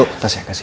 tuh tas ya kasih